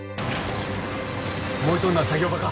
燃えとんのは作業場か。